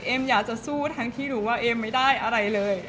อยากจะสู้ทั้งที่รู้ว่าเอมไม่ได้อะไรเลย